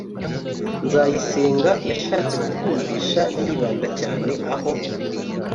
nzayisenga yashatse kutwumvisha, yibanda cyane aho